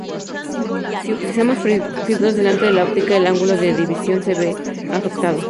Si utilizamos filtros delante de la óptica, el ángulo de visión se ve afectado.